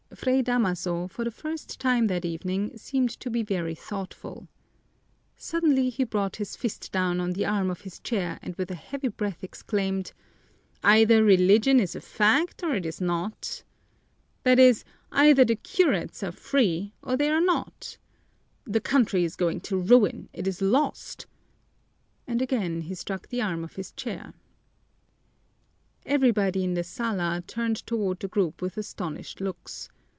Fray Damaso, for the first time that evening, seemed to be very thoughtful. Suddenly he brought his fist down on the arm of his chair and with a heavy breath exclaimed: "Either Religion is a fact or it is not! That is, either the curates are free or they are not! The country is going to ruin, it is lost!" And again he struck the arm of his chair. Everybody in the sala turned toward the group with astonished looks.